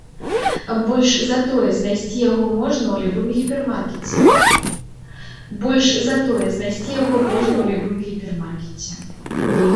Больш за тое, знайсці яго можна ў любым гіпермаркеце.